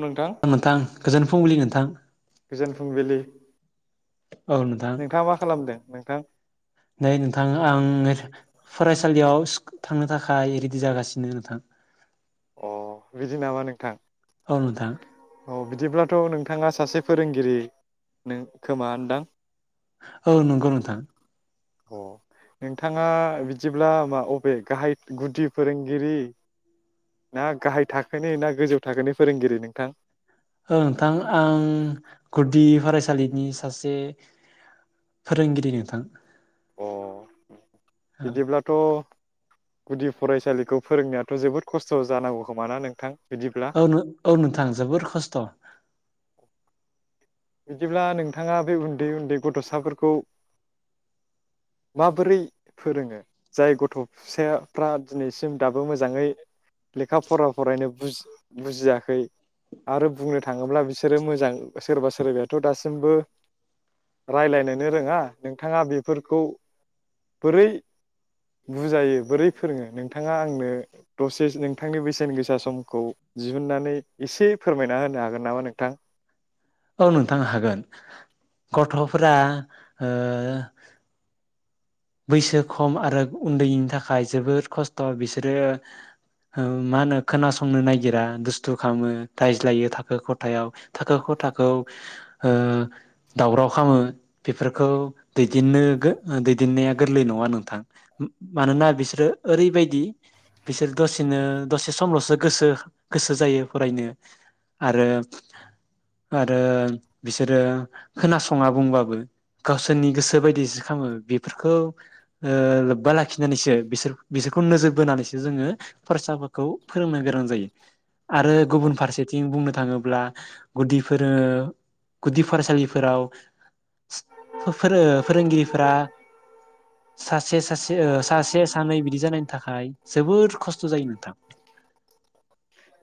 नोंथां नोंथां गोजोन फुंबिलि नोंथां गोजोन फुंबिलि औ नोंथां नोंथाङा मा खालामदों नोंथां नै नोंथां आं फरायसालियाव थांनो थाखाय रेडि जागासिनो नोंथां अ बिदि नामा नोंथां अ नोंथां औ बिदिब्लाथ' नोंथाङा सासे फोरोंगिरि नो खोमा नदां औ नंगौ नोंथां अ नोंथाङा बिदिब्ला मा अबे गाहाय गुदि फोरोंगिरि ना गाहाय थाखोनि ना गोजौ थाखोनि फोरोंगिरि नोंथां नोंथां आं गुदि फरायसालिनि सासे फोरोंगिरि नोंथां अ औ बिदिब्लाथ' गुदि फरायसालिखौ फोरोंनायाथ' जोबोद खस्थ' जानांगौ खोमा ना नोंथां बिदिब्ला औ औ नोंथां जोबोर खस्थ' बिदिब्ला नोंथाङा बे उन्दै उन्दै गथ'साफोरखौ माबोरै फोरोङो जाय गथ' फिसाफ्रा दिनैसिम दाबो मोजाङै लेखा फरा फरायनो बुजियाखै आरो बुंनो थाङोब्ला बिसोरो मोजां सोरबा सोरबाथ' दासिमबो राय्लायनोनो रोङा नोंथाङा बेफोरखौ बोरै बुजायो बोरै फोरोङो नोंथाङा आंनो दसे नोंथांनि बेसेन गोसा समखौ दिहुनन्नानै एसे फोरमायना होनो हागोन नामा नोंथां औ नोंथां हागोन गथ'फोरा ओ बैसो खम आरो उन्दैनि थाखाय जोबोद खस्थ' बिसोरो मा होनो खोनासंनो नागिरा दुस्थु खालामो रायज्लायो थाखो खथायाव थाखो खथाखौ ओ दावराव खालामो बेफोरखौ दैदेननो दिन्नाया गोरलै नङा नोंथां मानोना बिसोरो ओरैबायदि बिसोर दसेनो दसे समल'सो गोसो गोसो जायो फरायनो आरो आरो बिसोरो खोनासङा बुंबाबो गावसोरनि गोसो बायदिसो खालामो खौ ओ लोब्बा लाखिनानैसो बिसोर बिसोरखौ नोजोर बोनानैसो जोङो फरायसाफोरखौ फोरोंनो गोनां जायो आरो गुबुन फारसेथिं बुंनो थाङोब्ला गुदिफोर गुदि फरायसालिफोराव फोर फोरोंगिरिफोरा सासे सासे ओ सासे सानै बिदि जानायनि थाखाय जोबोोर खस्थ' जायो नोंथां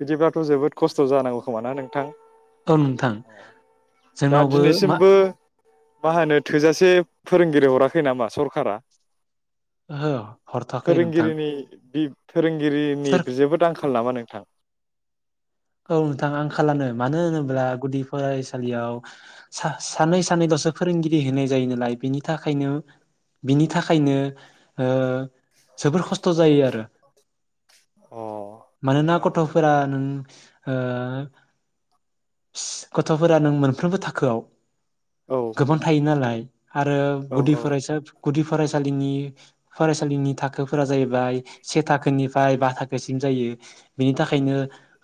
बिदिब्लाथ' जोबोद खस्थ' जानांगौ खोमा ना नोंथां ओ नोंथां दा जोंनावबो मा दिनैसिमबो मा होनो थोजासे फोरोंगिरि हराखै नामा सरखारा ओहो हरथ'वाखै नोंथां फोरोंगिरिनि फोरोंगिरिनि सोर जोबोद आंखाल नामा नों थां औ नोंथां आंखालानो मानो होनोब्ला गुदि फरायसालियाव सानै सानैल'सो फोरोंगिरि होनाय जायो नालाय बेनि थाखायनो बिनि थाखायनो ओ जोबोर खस्थ' जायो आरो अ मानोना औ गथ'फोरा नों ओ गथ'फोरा नों मोनफ्रोमबो थाखोआव औ गोबां थायो नालाय आरो औ गुदि औ फरायसा गुदि फरायसालिनि फरायसालिनि थाखोफोरा जाहैबाय से थाखोनिफ्राय बा थाखोसिम जायो बेनि थाखायनो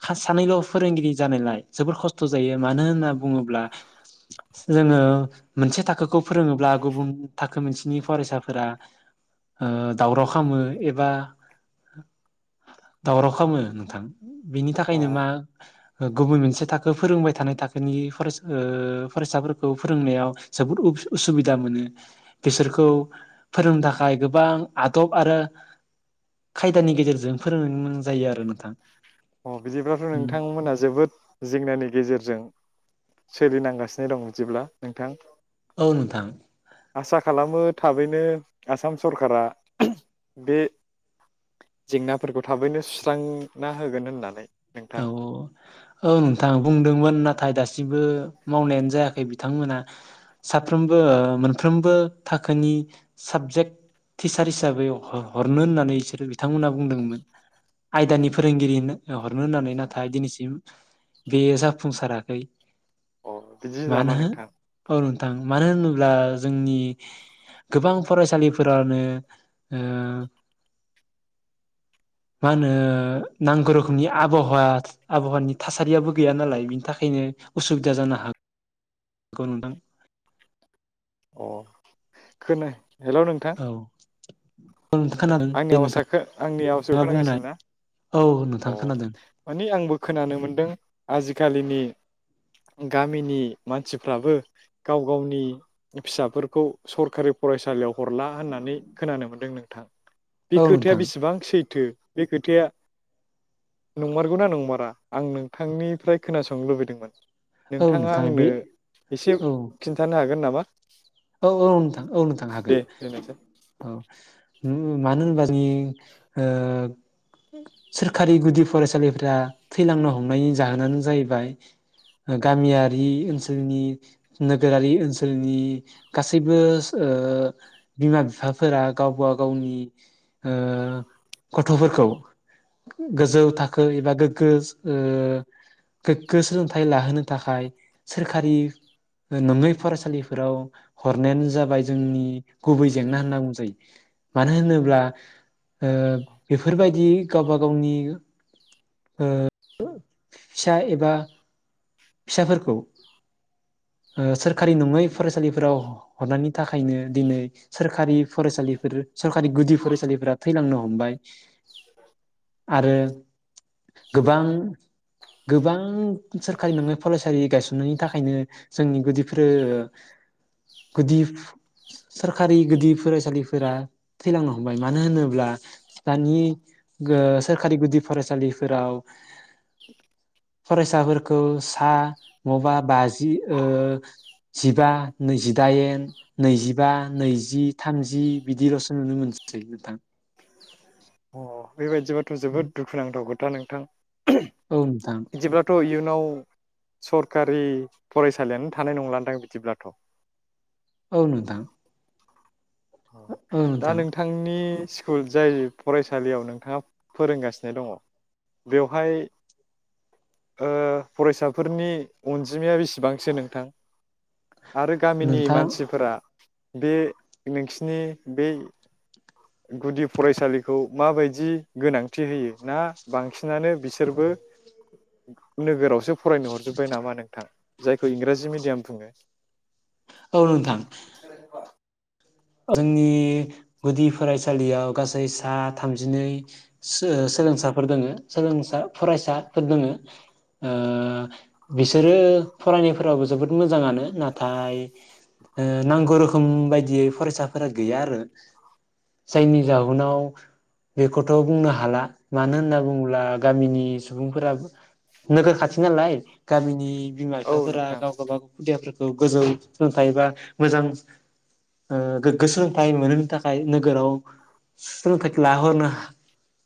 खासे सानैल' फोरोंगिरि जानायलाय जोबोर खस्थ' जायो मानो होनना बुङोब्ला जोङो मोनसे थाखोखौ फोरोङोब्ला गुबुन थाखो मोनसेनि फरायसाफोरा अ दावराव खालामो एबा दावराव खालामो नोंथां अ बेखायनो मा गुबुन मोनसे थाखो फोरोंबाय थानाय थाखोनि फरायसा अ फरायसाफोरखौ फोरोंनायाव जोबोद उसुबिदा मोनो बिसोरखौ फोरोंनो थाखाय गोबां आदब आरो खायदानि गेजेरजों फोरोंनो गोनां जायो आरो नोंथां अ बिदिब्लाथ' नोंथांमोना जोबोद जेंनानि गेजेरजों सोलिनांगासिनो दं बिदिब्ला नोंथां औ नोंथां आसा खालामो थाबैनो आसाम सरकारा बे जेंनाफोरखौ थाबैनो सुस्रांना होगोन होननानै नोंथां औ औ अ नोंथां बुंदोंमोन नाथाय दासिमबो मावनायानो जायाखै बिथांमोना साफ्रोमबो मोनफ्रोमबो थाखोनि साबजेक्ट टिचार हिसाबै हरनो होननानै बिसोरो बिथांमोना बुंदोंमोन आयदानि फोरोंगिरि नो नो होननानै नाथाय दिनैसिम बे जाफुंसाराखै अ बिदिसो नामा मानो नोंथां औ नोंथां मानो होनोब्ला जोंनि गोबां फरायसालिफोरानो अह मा होनो नांगौ रोखोम नि आबहावा आबहावानि थासारियाबो गैया नालाय बिनि थाखायनो उसुबिदा जानो हागो नोंथां अ खोना हेल' नोंथां औ नोंथां खोनादों आंनि दे आवासा नोंथाङा आंनि आवासखौ बुंनाय खोनागासिनो ना औ नोंथां अ खोनादों माने आंबो खोनानो मोनदों आजिखालिनि गामिनि मानसिफ्राबो गाव गावनि फिसाफोरखौ सरखारि फरायसालियाव हरला होननानै नै खोनानो मोनदों नोंथां बे औ खोथाया नोंथां बेसेबां सैथो बे खोथाया नंमारगौना नंमारा आं नोंथांनिफ्राय खोनासंनो लुबैदोंमोन औ नोंथाङा नोंथां आंनो बे एसे औ खिनथानो हागोन ना औ औ नोंथां औ नोंथां दे हागोन दोननोसै औ उ मानो होनबा जोंनि ओ सोरखारि गुदि फरायसालिफ्रा थैलांनो हमनायनि जाहोनानो जाहैबाय गामियारि ओनसोलनि नोगोरारि ओनसोलनि गासैबो अह बिमा बिफाफोरा गावबा गावनि अह गथ'फोरखौ गोजौ थाखो एबा गोग्गो अह गोग्गो सोलोंथाइ लाहोनो थाखाय सोरखारि नङै फरायसालिफोराव हरनायानो जाबाय जोंनि गुबै जेंना होनना बुंजायो मानो होनोब्ला ओ बेफोरबायदि गावबा गावनि ओ फिसा एबा फिसाफोरखौ अ सोरखारि नङै फरायसालिफोराव हरनायनि थाखायनो दिनै सोरखारि फरायसालिफोर सोरखारि गुदि फरायसालिफोरा थैलांनो हमबाय आरो गोबां गोबां सोर खारि नङै फरायसालि गायसननायनि थाखायनो जोंनि गुदिफोर गुदि सोरखारि गुदि फरायसालिफोरा थैलांनो हमबाय मानो होनोब्ला दानि अह सोरखारि गुदि फरायसालिफोराव फरायसाफोर खौ सा नङाबा बाजि जिबा नैजिदाइन नैजिबा नैजि थामजि बिदिल'सो नुनो मोनसै नोंथां अ बेबायदिबाथ' जोबोद दुखुनांथाव दा नोंथां औ नोंथां जेब्लाथ' इयुन नाव सरखारि फरायसालियानो थानाय नंलादां बिदिब्लाथ' औ नोंथां अ औ दा नोंथां नोंथांनि स्कुल जाय फरायसालियाव नोंथाङा फोरोंगासिनो दङ बेवहाय ओ फरायसाफोरनि अनजिमाया बेसेबांसो नोंथां आरो गामिनि नोंथां मानसिफोरा बे नोंसिनि बै गुदि फरायसालिखौ माबायदि गोनांथि होयो ना बांसिन नानो बिसोरबो नोगोरावसो फरायनो हरजोबबाय नामा नोंथां जायखौ इंराजि मिडियाम बुङो औ नोंथां [unintelligible] जोंनि गुदि फरायसालियाव गासै सा थामजिनै सो ओ सोलोंसाफोर दोङो सोलोंसा फरायसाफोर दोङो ओ बिसोरो फरायनायफोरावो जोबोद मोजाङानो नाथाय ओ नांगौ रोखोम बायदियै फरायसाफोरा गैया आरो जायनि जाउनाव बेखौथ' बुंनो हाला मानो होनना बुङोब्ला गामिनि सुबुंफोरा नोगोर खाथि नालाय गामिनि बिमा औ फिफाफोरा नोंथां गाव गाबागाव खुदियाफोरखौ गोजौ सोलोंथाइ बा मोजां ओ गोग्गो सोलोंथाइ मोनहोनो थाखाय नोगोराव सोलोंथाइखौ लाहरनो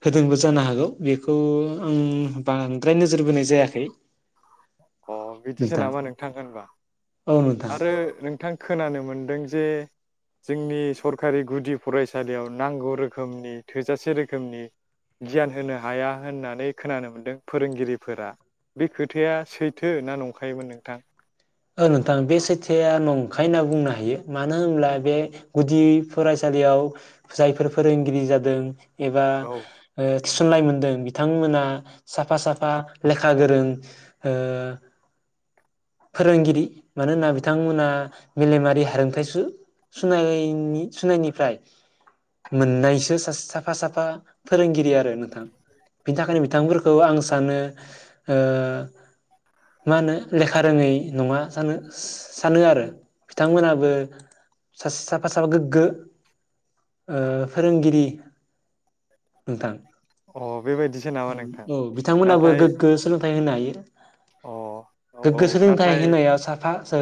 होदोंबो जानो हागौ बेखौ आं बांद्राय नोजोर बोनाय जायाखै। अ बिदिसो नामा नोंथां होनबा औ नोंथां आरो नोंथां खोनानो मोन्दों जे जोंनि सरखारि गुदि फरायसालियाव नांगौ रोखोमनि थोजासे रोखोमनि गियान होनो हाया होननानै खोनानो मोन्दों फोरोंगिरिफोरा बे खोथाया सैथो ना नंखायमोन नोंथां ओ नोंथां बे सैथो आ नंखाय होनना बुंनो हायो मानो होनब्ला बे गुदि फरायसालियाव जायफोर फोरोंगिरि जादों एबा औ ओ थिसननाय मोनदों बि थां मोना साफा साफा लेखा गोरों ओ फोरोंगिरि मानोना बिथांमोना मेलेमारि हारोंथाइ सु-सुनायनि-सुनायनिफ्राय मोननायसो साफा साफा फोरोंगिरि आरो नोंथां बिनि थाखायनो बिथांफोरखौ आं सानो ओ मा होनो लेखा खारोङै नङा जानो सानो आरो बिथांमोनाबो सासे साफा साफा गोग्गो ओ फोरोंगिरि नोंथां अ बेबायदिसो नामा नोंथां? औ बिथांमोनाबो नाथाय गोग्गो सोलोंथाइ अ औ गो सोलोंथाइ नाथाय होनाया साफा ओ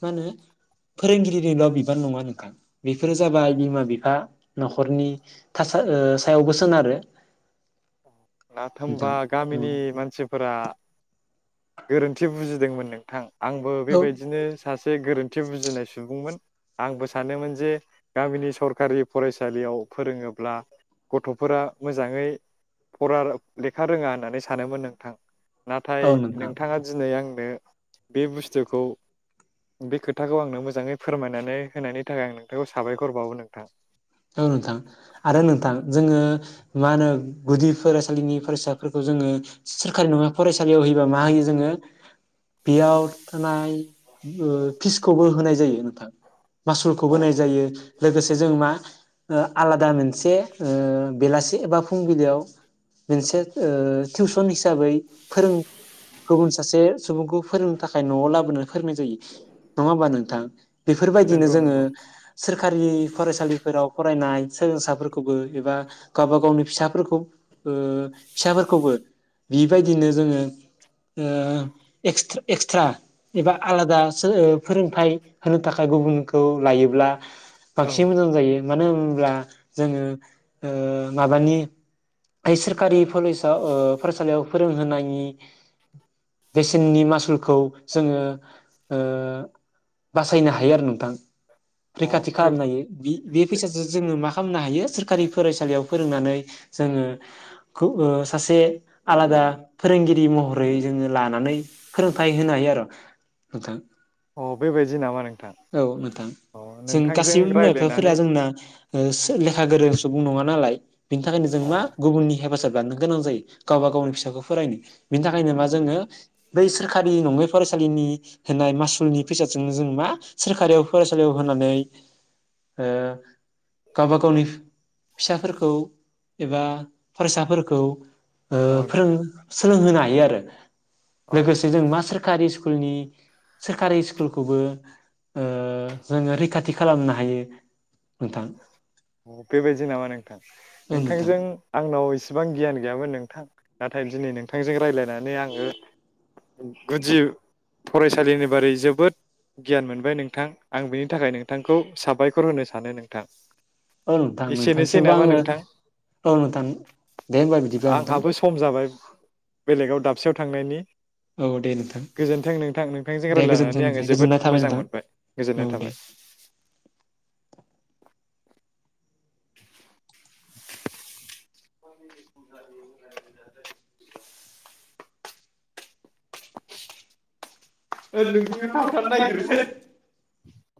मा होनो फोरोंगिरिनिल' बिबान नङा नोंथां बेफोरो जाबाय बिमा बिफा न'खरनि थासा ओ सायावबो सोनारो। नाथ होमबा नोंथां गामिनि मानसिफोरा गोरोन्थि बुजिदोंमोन नोंथां। आंबो औ बेबायदिनो सासे गोरोन्थि बुजिनाय सुबुंमोन आंबो सानोमोन जे गामिनि सरखारि फरायसालियाव फोरोङोब्ला गथ'फोरा मोजाङै फरा लेखा रोङा होननानै सानोमोन नोंथां नाथाय औ नोंथां नोंथाङा दिनै आं [unintelligible] बे बुस्थुखौ बे खोथाखौ आंनो मोजाङै फोरमायनानै होनायनि थाखाय आं नोंथांखौ साबायखर बावो नोंथां औ नोंथां आरो नोंथां जोङो मा होनो गुदि फरायसालिनि फरायसाफोरखौ जोङो सोरखारि नङा फरायसालियाव होयोबा मा होयो जोङो बेयाव थानाय ओ फिसखौबो होनाय जायो नोंथां मासुलखौबो बोनाय अ जायो लोगो जों मा ओ आलादा मोनसे बेलासि एबा फुंबिलियाव मोनसे ओ टिउसन हिसाबै फोरों गुबुन सासे सुबुंखौ फोरोंनो थाखाय न'आव लाबोनो फोरोंनाय जायो। नङा होमबा नोंथां बेफोरबायदिनो नंगौ जोङो नंगौ सोर सरखारि फरायसालिफोराव फरायनाय सोलोंसाफोरखौबो एबा गावबा गावनि फिसाफोरखौ फिसाफोरखौबो बिबायदिनो जोङो ओ एक्सट्रा एक्सट्रा एबा आलादा फोरोंथाइ होनो थाखाय गुबुनखौ लायोब्ला औ बांसिन मोजां जायो मानो होनब्ला जोङो ओ माबानि सोरखारि कलेजाव ओ फरायसालियाव फोरोंहोनायनि बेसेननि मासुलखौ जोङो ओ बासायनो हायो आरो नोंथां अ रैखाथि बे खालामनो हायो बि बे फैसाजों जोङो मा खालामनो हायो सोरखारि फरायसालियाव फोरोंनानै जोङो गु ओ सासे आलादा फोरोंगिरि महरै जोङो लानानै फोरोंथाइ होनो हायो आरो नोंथां अ बेबायदि नामा नोंथां औ नोंथां अ जों नोंथांजों गासैबो बिमा रायज्लायनानै बिफाफोरा जोंना ओ लेखा गोरों सुबुं नङा नालाय बिनि था जों औ मा गुबुननि हेफाजाब लाथ'नो गोनां जायो गावबा गावनि फिसाखौ फरायनो बिनि थाखायनोबा जोङो बै सोरखारि नंङै फरायसालिनि होनाय मासुलनि फैसाजोंनो जों मा सोरखारियाव फरायसालियाव होनानै ओ गावबा गावनि फिसाफोरखौ एबा फरायसाफोरखौ ओ फोरों नोंथां सोलोंहोनाय य आरो अ लोगोसे जों मा सोरखारि स्कुलनि सोरखारि स्कुलखौबो ओ जोङो रैखाथि खालामनो हायो नोंथां बेबायदि नामा नोंथां औ नोंथां नोंथांजों आंनाव एसेबां गियान गैयामोन नोंथां नाथाय दिनै नोंथांजों रायलायनानै आङो गुदि फरायसालिनि बारै जोबोद गियान मोनबाय नोंथां आं बिनि थाखाय नोंथांखौ साबायखर होनो सानो नोंथां औ नोंथां एसेनोसै नोंथांसिमबो नामा आङो नोंथां औ नोंथां दे होमबा बिदिब्ला नोंथां आंहाबो सम जाबाय बेलेगाव दाबसेयाव थांनायनि औ दे नोंथां गोजोन्थों नोंथां नोंथांजों दे गोजोन्थों रायज्लायनानै आङो नोंथां जोबोद गोजोननाय थाबाय मोजां नोंथां मोनबाय औ गोजोननाय दे थाबाय। [inaudible] ओ नोसोरनियाव थांफानो नागिरो से